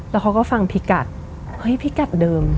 แล้วเขาก็ฟังพี่กัดเฮ้ยพี่กัดเดิม